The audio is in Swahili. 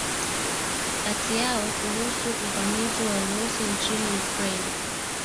kati yao kuhusu uvamizi wa Urusi nchini Ukraine